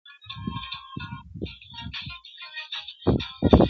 اوس به څوك د ارغسان پر څپو ګرځي!